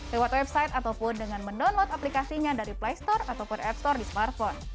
lewat website ataupun dengan mendownload aplikasinya dari play store ataupun app store di smartphone